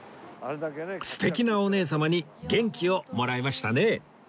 素敵なお姉様に元気をもらえましたね